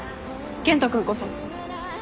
健人君こそ。